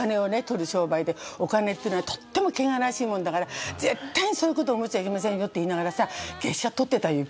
取る商売でお金っていうのはとっても汚らわしいものだから絶対にそういう事を思っちゃいけませんよ」って言いながらさ月謝取ってたよいっぱい。